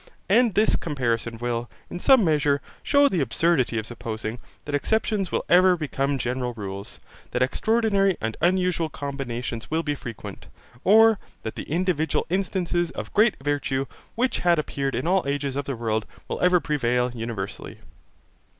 And this comparison will, in some measure, shew the absurdity of supposing, that exceptions will ever become general rules; that extraordinary and unusual combinations will be frequent; or that the individual instances of great virtue which had appeared in all ages of the world will ever prevail universally.